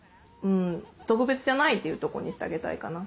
特別じゃないっていうところにしてあげたいかな。